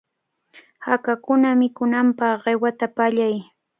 Hakakuna mikunanpaq qiwata pallay.